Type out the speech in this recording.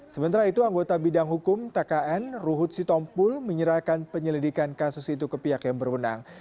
sementara itu anggota bidang hukum tkn ruhut sitompul menyerahkan penyelidikan kasus itu ke pihak yang berwenang